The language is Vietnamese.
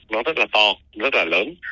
nó rất là to rất là lớn